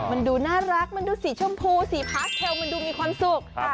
มันดูน่ารักมันดูสีชมพูสีพาสเทลมันดูมีความสุข